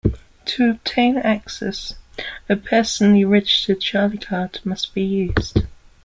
To obtain access, a personally registered CharlieCard must be used.